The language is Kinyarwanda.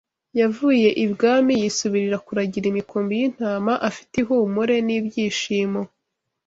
Yavuye ibwami yisubirira kuragira imikumbi y’intama afite ihumure n’ibyishimo.